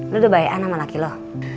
lu udah baik baik sama laki lo